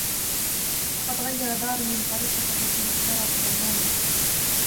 لقد غيرَ داروين الطريقة التي نري بها العالم.